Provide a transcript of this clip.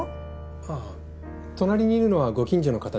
ああ隣にいるのはご近所の方で。